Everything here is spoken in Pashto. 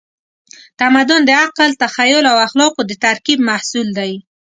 تمدن د عقل، تخیل او اخلاقو د ترکیب محصول دی.